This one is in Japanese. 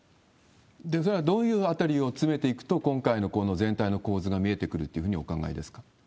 それはどういうあたりを詰めていくと、今回のこの全体の構図が見えてくるというふうにお考えですか？